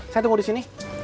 saya tunggu disini